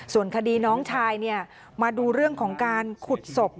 ส่วนคดีน้องชายมาดูเรื่องของการขุดศพ